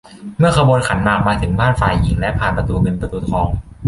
เมื่อขบวนขันหมากมาถึงบ้านฝ่ายหญิงและผ่านประตูเงินประตูทอง